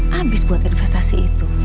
habis buat investasi itu